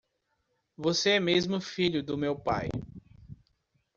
Você é mesmo filho do meu pai.